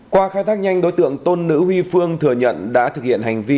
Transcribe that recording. qua khai thác nhanh đối tượng tôn nữ huy phương thừa nhận đã thực hiện hành vi